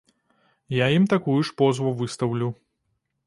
Я ім такую ж позву выстаўлю.